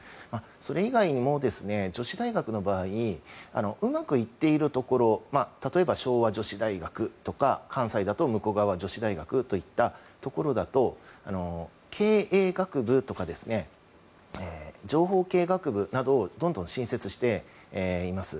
それ以外にも女子大学の場合うまくいってるところ例えば昭和女子大学だとか関西だと武庫川女子大学など経営学部とか、情報系学部などをどんどん新設しています。